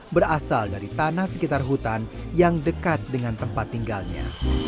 berasal dari tanah sekitar hutan yang dekat dengan tempat tinggalnya